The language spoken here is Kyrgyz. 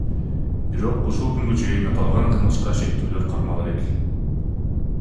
Бирок ушул күнгө чейин аталган кылмышка шектүүлөр кармала элек.